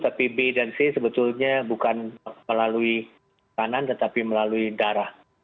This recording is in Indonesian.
tapi b dan c sebetulnya bukan melalui kanan tetapi melalui darah